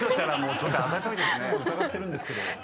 疑ってるんですけど。